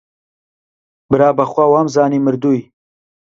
برا بەخوا وەمانزانی مردووی